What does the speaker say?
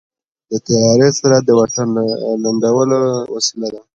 د طیارې سرعت د واټن د لنډولو وسیله ده.